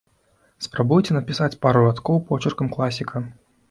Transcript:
Спрабуйце напісаць пару радкоў почыркам класіка!